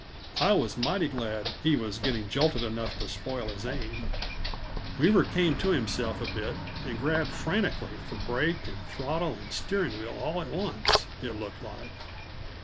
I was mighty glad he was getting jolted enough to spoil his aim. Weaver came to himself a bit and grabbed frantically for brake and throttle and steering wheel all at once, it looked like.